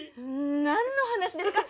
何の話ですか？